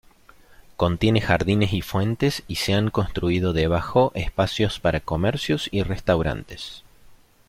Contiene jardines y fuentes y se han construido debajo espacios para comercios y restaurantes.